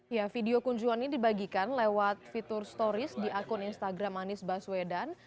ya video kunjungan ini dibagikan lewat fitur stories di akun instagram anies baswedan